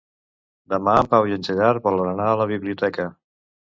Demà en Pau i en Gerard volen anar a la biblioteca.